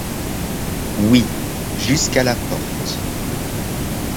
Oui, jusqu'à la porte.